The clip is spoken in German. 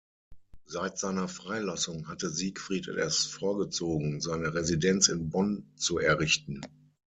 Seit seiner Freilassung hatte Siegfried es vorgezogen, seine Residenz in Bonn zu errichten.